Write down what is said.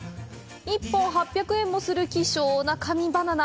１本８００円もする希少な神バナナ